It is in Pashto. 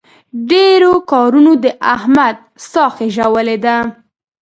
ډېرو کارونو د احمد ساه خېژولې ده.